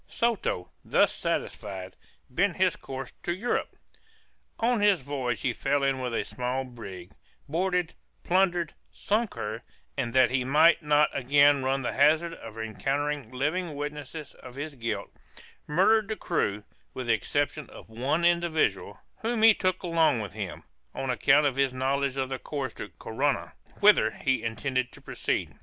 Soto, thus satisfied, bent his course to Europe. On his voyage he fell in with a small brig, boarded, plundered, sunk her, and, that he might not again run the hazard of encountering living witnesses of his guilt, murdered the crew, with the exception of one individual, whom he took along with him, on account of his knowledge of the course to Corunna, whither he intended to proceed.